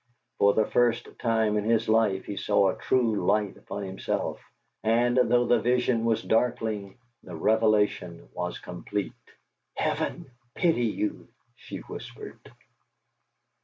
For the first time in his life he saw a true light upon himself, and though the vision was darkling, the revelation was complete. "Heaven pity you!" she whispered.